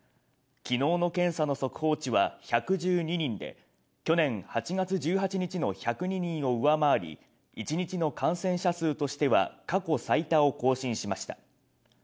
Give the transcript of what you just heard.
昨日の検査の速報値は１１２人で、去年８月１８日の１０２人を上回り、一日の感染者数としては過去最多を更新しました。